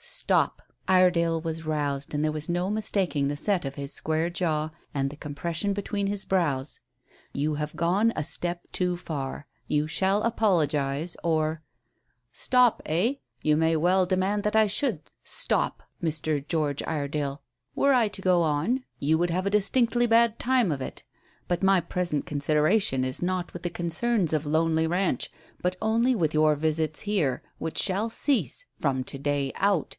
"Stop!" Iredale was roused, and there was no mistaking the set of his square jaw and the compression between his brows. "You have gone a step too far. You shall apologize or " "Stop eh? You may well demand that I should stop, Mr. George Iredale. Were I to go on you would have a distinctly bad time of it. But my present consideration is not with the concerns of Lonely Ranch, but only with your visits here, which shall cease from to day out.